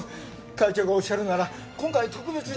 会長がおっしゃるなら今回は特別に厳重注意。